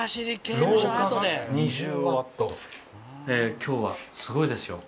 今日はすごいですよ